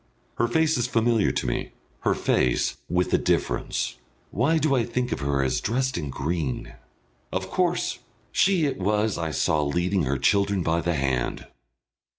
Her face is familiar to me, her face, with a difference. Why do I think of her as dressed in green? Of course! she it was I saw leading her children by the hand!